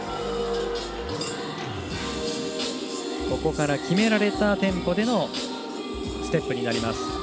ここから決められたテンポでのステップになります